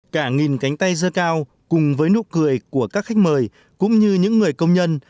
cả nghìn cánh tay dơ cao cùng với nụ cười của các khách mời cũng như những người công nhân